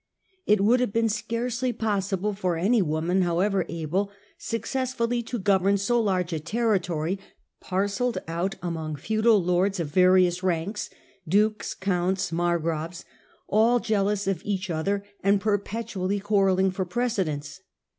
10^^^* It would have been scarcely possible for any woman, however able, successfully to govern so large a territory parcelled out amongst feudal lords of various ranks— dukes, counts, margraves — all jealous of each other, and perpetually quarrelling for precedence.